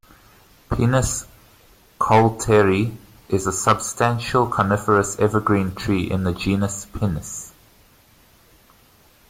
"Pinus coulteri" is a substantial coniferous evergreen tree in the genus "Pinus".